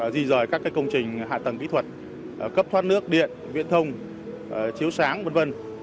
di dời các công trình hạ tầng kỹ thuật cấp thoát nước điện viện thông chiếu sáng v v